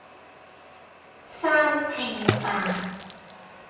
三拼飯